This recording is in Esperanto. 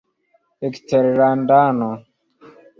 eksterlandano